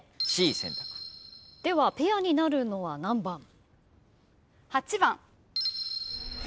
ではペアになるのは何番？